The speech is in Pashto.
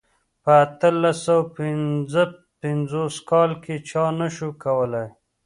په اتلس سوه پنځه پنځوس کال کې چا نه شوای کولای.